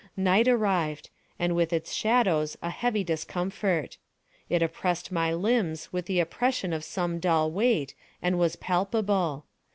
Night arrived; and with its shadows a heavy discomfort. It oppressed my limbs with the oppression of some dull weight, and was palpable.